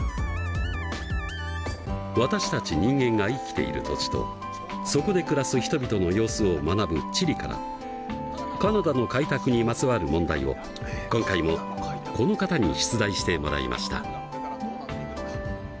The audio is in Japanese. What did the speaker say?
私たち人間が生きている土地とそこで暮らす人々の様子を学ぶ「地理」からカナダの開拓にまつわる問題を今回もこの方に出題してもらいました。